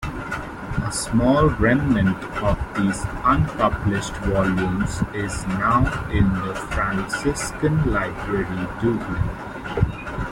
A small remnant of these unpublished volumes is now in the Franciscan Library, Dublin.